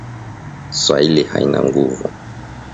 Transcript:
Swahili aina nguvu